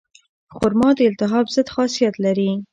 خرما د التهاب ضد خاصیت لري.